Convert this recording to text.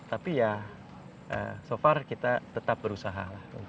tapi ya so far kita tetap berusaha